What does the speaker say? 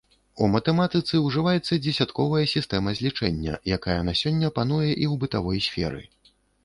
У матэматыцы ўжываецца дзесятковая сістэма злічэння, якая на сёння пануе і ў бытавой сферы.